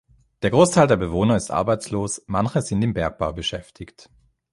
Der Großteil der Bewohner ist arbeitslos, manche sind im Bergbau beschäftigt.